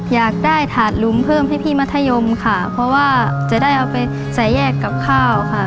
อยากได้ถาดหลุมเพิ่มให้พี่มัธยมค่ะเพราะว่าจะได้เอาไปใส่แยกกับข้าวค่ะ